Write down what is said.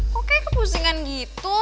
kok kayak kepusingan gitu